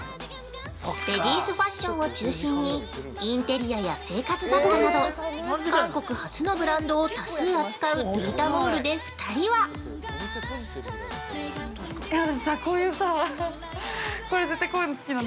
◆レディースファッションを中心に、インテリアや生活雑貨など韓国発のブランドを多数扱うドゥータモールで２人は◆ひかるさ、こういうの好きなんだよね。